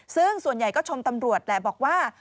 ซึ่งส่วนใหญ่ก็ชมตำรวจแหละบอกว่า